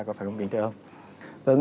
có phải không kỳnh thưa ông